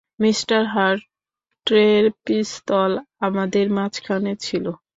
Mister হার্টের পিস্তল আমাদের মাঝখানে ছিল।